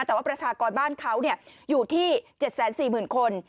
แต่ว่าประชากรบ้านเขาอยู่ที่๗๔๐๐๐คน